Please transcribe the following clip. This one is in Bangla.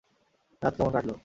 রাত কেমন কাটলো?